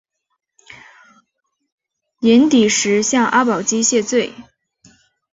寅底石向阿保机谢罪。